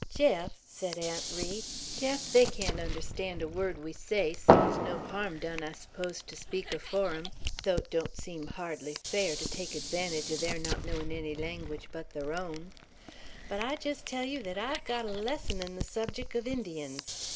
"Jeff," said Aunt Ri, "Jeff, they can't understand a word we say, so't's no harm done, I s'pose, to speak afore 'em, though't don't seem hardly fair to take advantage o' their not knowin' any language but their own; but I jest tell you thet I've got a lesson'n the subjeck uv Injuns.